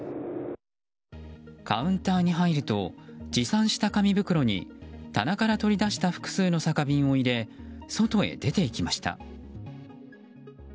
カウンターに入ると持参した紙袋に棚から取り出した複数の酒瓶を入れ外へ出ていきました。